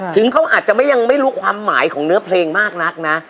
ถึงเขาอาจจะไม่ยังไม่รู้ความหมายของเนื้อเพลงมากนักนะ